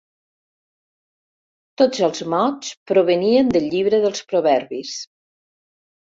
Tots els mots provenien del Llibre dels Proverbis.